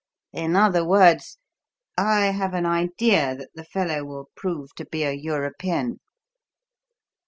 In other words, I have an idea that the fellow will prove to be a European."